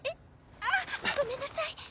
ああっごめんなさい。